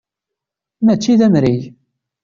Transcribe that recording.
Mačči d amrig.